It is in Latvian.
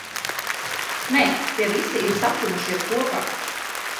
Nē, tie visi ir satinušies kopā.